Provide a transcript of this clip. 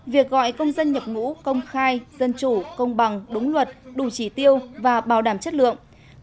việc gọi công dân nhập ngũ công khai dân chủ công bằng đúng luật đủ chỉ tiêu và bảo đảm chất lượng